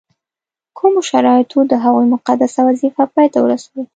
کومو شرایطو د هغوی مقدسه وظیفه پای ته ورسول.